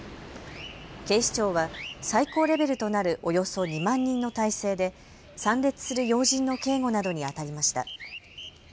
警視庁は最高レベルとなるおよそ２万人の態勢で参列する要人の警護などにあたりました。